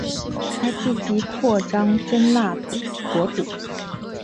他积极扩张真腊国土。